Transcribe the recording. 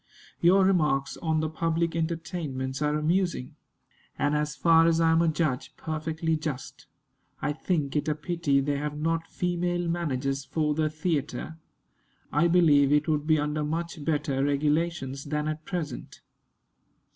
Your remarks on the public entertainments are amusing, and, as far as I am a judge, perfectly just. I think it a pity they have not female managers for the theatre. I believe it would be under much better regulations than at present.